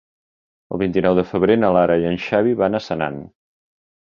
El vint-i-nou de febrer na Lara i en Xavi van a Senan.